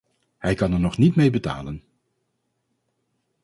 Hij kan er nog niet mee betalen.